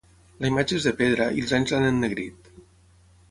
La imatge és de pedra i els anys l'han ennegrit.